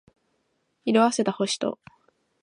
色褪せた星と